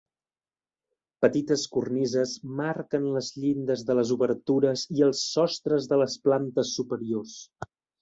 Petites cornises marquen les llindes de les obertures i els sostres de les plantes superiors.